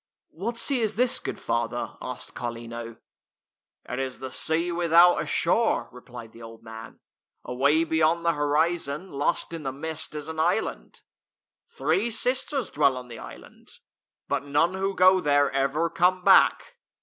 "What sea is this, good father?" asked Carlino. "It is the sea without a shore," replied the old man. " Away beyond the horizon, lost in the mist, is an island. Three sisters dwell on the island. But none who go there ever come back."